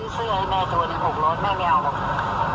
ซื้อเสื้อให้แม่จัดผุ้มรถแม่เมียว